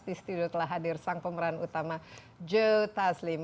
di studio telah hadir sang pemeran utama joe taslim